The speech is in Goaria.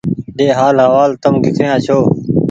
ۮي حآل حوال تم ڪيکريآن ڇوٚنٚ